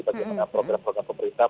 bagaimana program program pemerintah